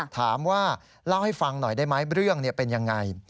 ถามว่าเล่าให้ฟังหน่อยได้ไหมเรื่องเป็นยังไง